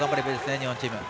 日本チーム。